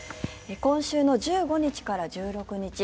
今週１５日から１６日